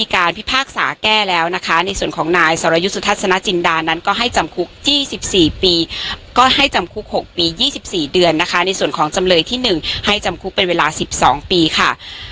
การพิพากษาแก้แล้วนะคะในส่วนของนายสรยุทธสนจินดานั้นก็ให้จำคุก๒๔ปีก็ให้จำคุก๖ปี๒๔เดือนนะคะในส่วนของจำเลยที่๑ให้จำคุกเป็นเวลา๑๒ปีค่ะ